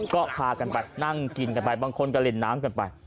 ก็พากันไปนั่งกินกันไปบางคนก็เล่นน้ำกันไป